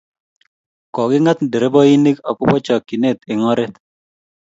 koking'at dereboik akobo chakchinet eng ortinwek